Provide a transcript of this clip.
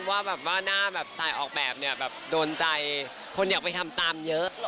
ว่าหน้าสไตล์ออกแบบโดนใจคนอยากไปทำตามเยอะ